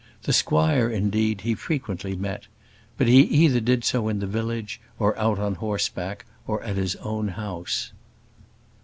The squire, indeed, he frequently met; but he either did so in the village, or out on horseback, or at his own house.